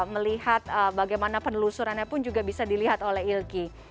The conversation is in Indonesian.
melihat bagaimana penelusurannya pun juga bisa dilihat oleh ilgi